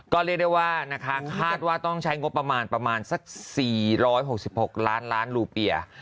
ก็เรียกได้ว่านะคะคาดว่าต้องใช้งบประมาณประมาณสัก๔๖๖ล้านล้านลูเปีย